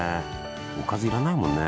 おかず要らないもんね